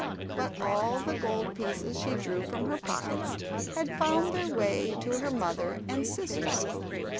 But all the gold pieces she drew from her pockets had found their way to her mother and sister.